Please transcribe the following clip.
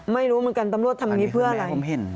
ทำไมต้องตบปะคะตำรวจทำแบบนี้เพื่ออะไรแม่ผมเห็น